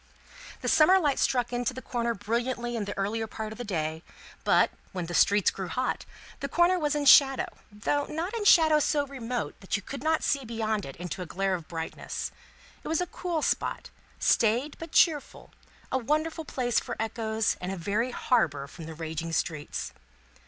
The summer light struck into the corner brilliantly in the earlier part of the day; but, when the streets grew hot, the corner was in shadow, though not in shadow so remote but that you could see beyond it into a glare of brightness. It was a cool spot, staid but cheerful, a wonderful place for echoes, and a very harbour from the raging streets.